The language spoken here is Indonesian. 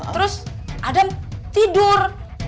terus adam tidur